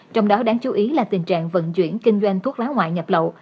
trong đó đáng chú ý là tình trạng vận chuyển kinh doanh thuốc lá ngoại nhập lậu